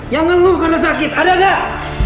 yang ngeluh karena sakit ada nggak